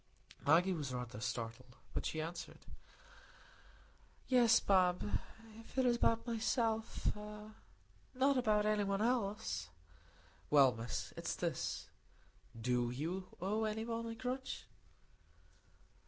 Maggie was rather startled, but she answered, "Yes, Bob, if it is about myself—not about any one else." "Well, Miss, it's this. Do you owe anybody a grudge?"